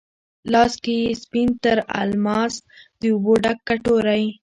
لاس کې یې سپین تر الماس، د اوبو ډک کټوری،